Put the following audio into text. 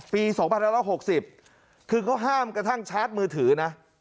๒๑๖๐คือเขาห้ามกระทั่งชาร์จมือถือนะ